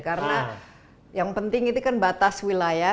karena yang penting itu kan batas wilayah